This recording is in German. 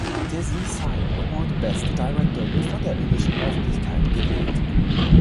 Der Zee Cine Award Best Director wird von der indischen Öffentlichkeit gewählt.